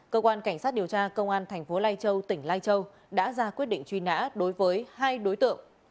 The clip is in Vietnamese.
cơ quan cảnh sát điều tra công an thành phố lai châu tỉnh lai châu đã ra quyết định truy nã đối với hai đối tượng